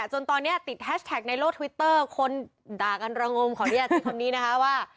จนตอนนี้ติดแฮชแท็กในโลกทวิตเตอร์คนด่ากันระงมขออนุญาตใช้คำนี้นะคะว่า